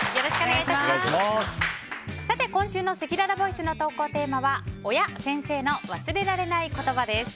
今週のせきららボイスの投稿テーマは親・先生の忘れられない言葉です。